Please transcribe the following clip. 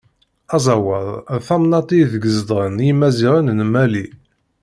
Azawad, d tamennaṭ ideg zedɣen Yimaziɣen n Mali.